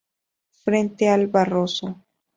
Frente al Barroso.